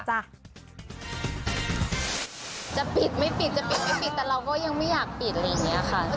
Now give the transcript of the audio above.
จะปิดไม่ปิดจะปิดไม่ปิดแต่เราก็ยังไม่อยากปิดอะไรอย่างนี้ค่ะ